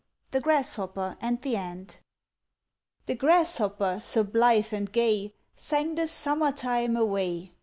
THE GRASSHOPPER AND THE ANT. The Grasshopper, so blithe and gay, Sang the summer time away.